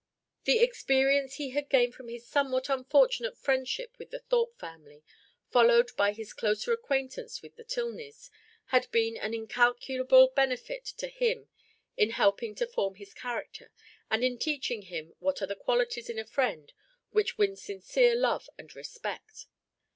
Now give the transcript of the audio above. The experience he had gained from his somewhat unfortunate friendship with the Thorpe family, followed by his closer acquaintance with the Tilneys, had been an incalculable benefit to him in helping to form his character and in teaching him what are the qualities in a friend which win sincere love and respect.